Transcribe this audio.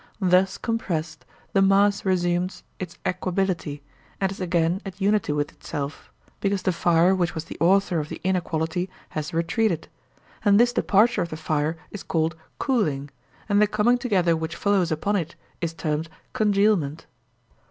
Thus compressed the mass resumes its equability, and is again at unity with itself, because the fire which was the author of the inequality has retreated; and this departure of the fire is called cooling, and the coming together which follows upon it is termed congealment.